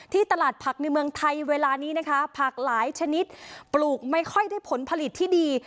ตลาดผักในเมืองไทยเวลานี้นะคะผักหลายชนิดปลูกไม่ค่อยได้ผลผลิตที่ดี